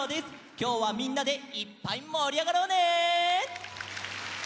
きょうはみんなでいっぱいもりあがろうね！